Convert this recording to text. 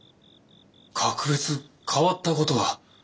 格別変わった事は。